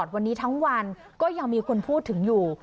วันนี้ทั้งวันก็ยังมีคนพูดถึงอยู่